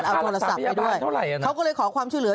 เอาโทรศัพท์ไปด้วยเขาก็เลยขอความช่วยเหลือ